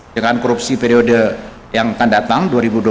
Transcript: dengan korupsi periode yang akan datang dua ribu dua puluh